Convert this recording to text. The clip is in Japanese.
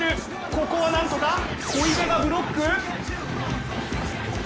ここは何とか小出がブロック。